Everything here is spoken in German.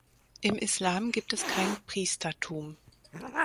Im Islam gibt es kein Priestertum.